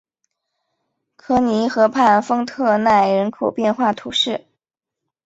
科尼河畔丰特奈人口变化图示